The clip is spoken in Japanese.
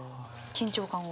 緊張感を。